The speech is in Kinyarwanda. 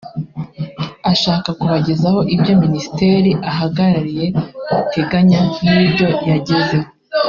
ashaka kubagezaho ibyo Minisiteri ahagarariye itegenya n’ibyo yagezeho